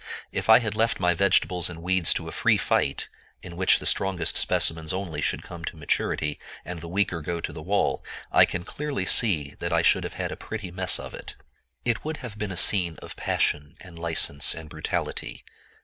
If I had left my vegetables and weeds to a free fight, in which the strongest specimens only should come to maturity, and the weaker go to the wall, I can clearly see that I should have had a pretty mess of it. It would have been a scene of passion and license and brutality.